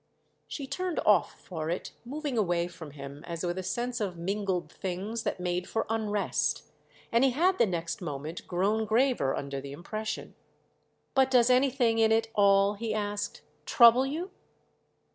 She turned off for it, moving away from him as with a sense of mingled things that made for unrest; and he had the next moment grown graver under the impression. "But does anything in it all," he asked, "trouble you?"